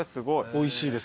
おいしいです